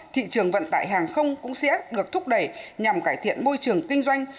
thị trường vận tải hàng không cũng sẽ được thúc đẩy nhằm cải thiện môi trường kinh doanh